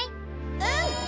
うん！